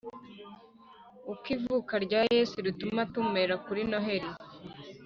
Uko ivuka rya Yesu rituma tumera kuri noheri